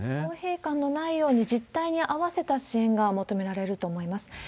不公平感のないように、実態に合わせた支援が求められると思います。